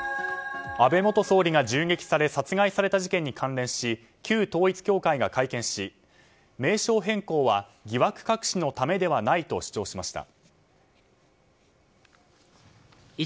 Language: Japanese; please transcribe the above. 安倍元総理が銃撃され殺害された事件に関連し旧統一教会が会見し名称変更は疑惑隠しのためではないと主張しました。